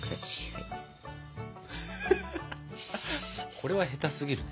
これは下手すぎるね。